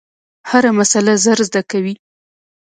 هره مسئله ژر زده کوي.